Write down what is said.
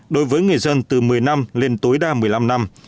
đối với người dân từ một mươi năm lên tối đa một mươi năm năm